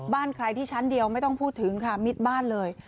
บ้านใครที่ชั้นเดียวไม่ต้องพูดถึงค่ะมิดบ้านเลย